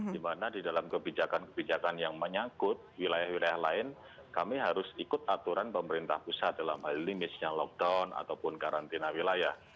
dimana di dalam kebijakan kebijakan yang menyangkut wilayah wilayah lain kami harus ikut aturan pemerintah pusat dalam hal ini misalnya lockdown ataupun karantina wilayah